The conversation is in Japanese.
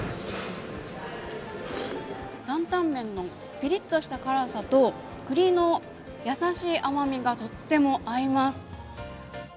担々麺のピリッとした辛さと栗の優しい甘さがとっても合います。